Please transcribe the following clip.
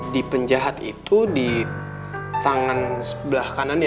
di penjahat itu di tangan sebelah kanannya